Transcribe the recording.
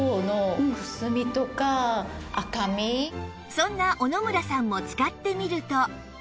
そんな小野村さんも使ってみると